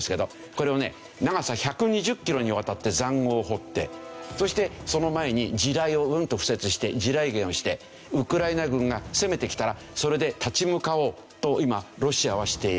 これをね長さ１２０キロにわたって塹壕を掘ってそしてその前に地雷をうんと敷設して地雷原をしてウクライナ軍が攻めてきたらそれで立ち向かおうと今ロシアはしている。